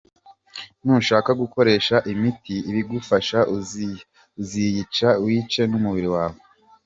Nushaka gukoresha imiti ibigufasha uziyica wice n’umubiri wawe.